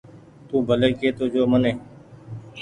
تو ڀلي ڪي تو جو مني